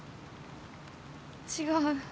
違う。